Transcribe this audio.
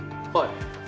はい。